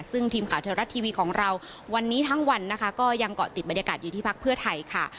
ซึ่งทีมข่าวเทวรัฐทีวีของเราวันนี้ทั้งวันนะคะก็ยังเกาะติดบรรยากาศอยู่ที่พักเพื่อไทยค่ะ